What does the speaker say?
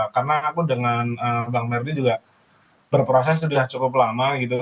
karena aku dengan bang merdi juga berproses sudah cukup lama gitu